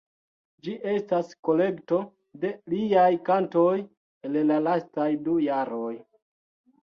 Ĝi estas kolekto de liaj kantoj el la lastaj du jaroj.